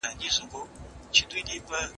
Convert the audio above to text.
که کتاب وي نو پوهه نه کمیږي.